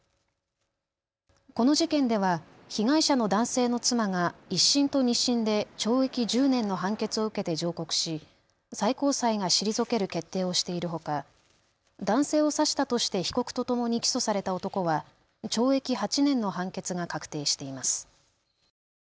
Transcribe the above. この事件では被害者の男性の妻が１審と２審で懲役１０年の判決を受けて上告し最高裁が退ける決定をしているほか男性を刺したとして被告とともに起訴された男は懲役８年の判決が確定しています。